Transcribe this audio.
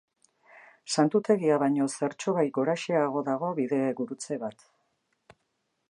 Santutegia baino zertxobait goraxeago dago bidegurutze bat.